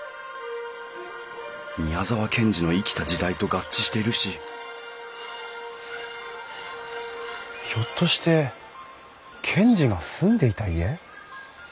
宮沢賢治の生きた時代と合致しているしひょっとして賢治が住んでいた家？